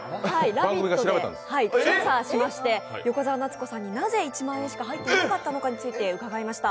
「ラヴィット！」で調査しまして、なぜ１万円しか入っていなかったのかについて伺いました。